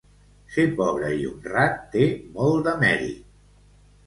Ser pobre i honrat té molt de mèrit.